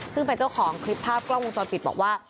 ซึ่งเป็นเจ้าของคลิปภาพกล้องวงจรปิดบอกว่า